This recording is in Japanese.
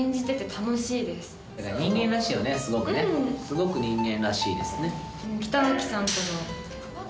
すごく人間らしいですね。